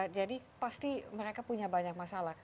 jadi pasti mereka punya banyak masalah